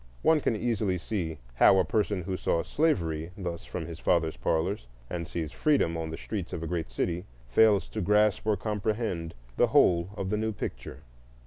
One can easily see how a person who saw slavery thus from his father's parlors, and sees freedom on the streets of a great city, fails to grasp or comprehend the whole of the new picture.